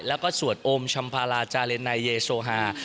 แล้วก็สวดอมชำภาราจาเรไนเยโซฮา